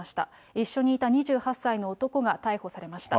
一緒にいた２８歳の男が逮捕されました。